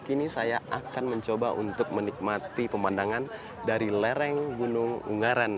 kini saya akan mencoba untuk menikmati pemandangan dari lereng gunung ungaran